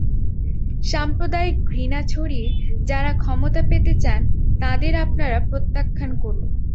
সাম্প্রদায়িক ঘৃণা ছড়িয়ে যাঁরা ক্ষমতা পেতে চান, তাঁদের আপনারা প্রত্যাখ্যান করুন।